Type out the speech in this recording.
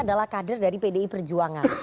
adalah kader dari pdi perjuangan